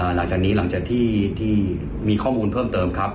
หลังจากนี้หลังจากที่มีข้อมูลเพิ่มเติมครับ